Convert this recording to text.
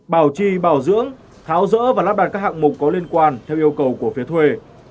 bảo trì bảo dưỡng tháo rỡ và lắp đặt các hạng mục có liên quan theo yêu cầu của phía thuê